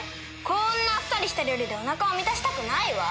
こんなあっさりした料理でおなかを満たしたくないわ。